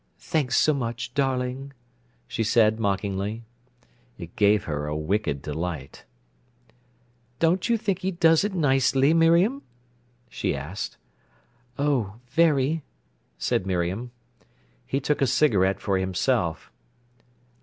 "Thanks so much, darling," she said mockingly. It gave her a wicked delight. "Don't you think he does it nicely, Miriam?" she asked. "Oh, very!" said Miriam. He took a cigarette for himself.